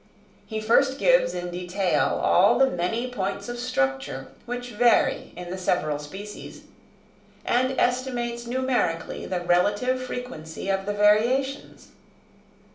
He first gives in detail all the many points of structure which vary in the several species, and estimates numerically the relative frequency of the variations.